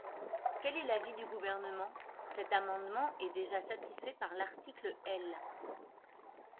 Quel est l’avis du Gouvernement ? Cet amendement est déjà satisfait par l’article L.